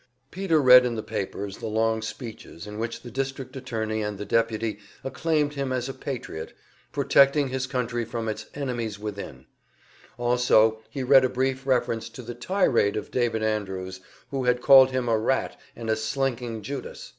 Peter read in the papers the long speeches in which the district attorney and the deputy acclaimed him as a patriot, protecting his country from its "enemies within;" also he read a brief reference to the "tirade" of David Andrews, who had called him a "rat" and a "slinking Judas."